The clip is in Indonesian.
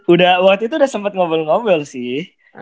udah waktu itu udah sempat ngobrol ngobrol sih